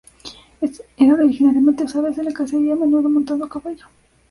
Eran originalmente usadas en la cacería, a menudo montando a caballo.